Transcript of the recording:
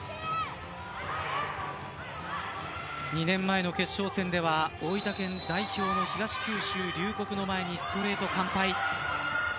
２年前の決勝戦では大分県代表の東九州龍谷の前にストレート完敗。